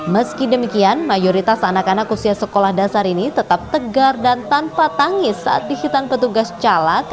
meski demikian mayoritas anak anak usia sekolah dasar ini tetap tegar dan tanpa tangis saat dihitan petugas calak